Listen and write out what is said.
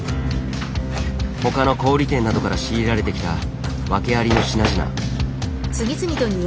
他の小売店などから仕入れられてきたワケありの品々。